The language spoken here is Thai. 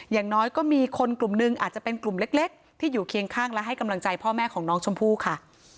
อย่างน้อยก็มีคนกลุ่มหนึ่งอาจจะเป็นกลุ่มเล็กที่อยู่เคียงข้างและให้กำลังใจพ่อแม่ของน้องชมพู่ค่ะ